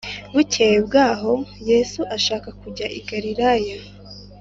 Bukeye bwaho Yesu ashaka kujya i Galilaya